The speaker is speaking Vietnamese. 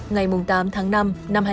ngày tám tháng năm năm hai nghìn một mươi tám